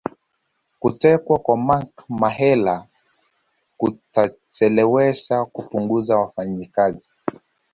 Kutekwa kwa Mark Mahela kutachelewesha kupunguza wafanyakazi